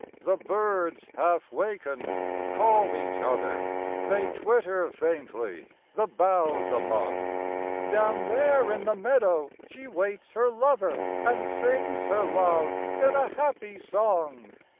The birds, half wakened, call each other, They twitter faintly the boughs among : 64 IN THE MEADOW. 65 " Down there in the meadow she waits her lover, And sings her love in a happy song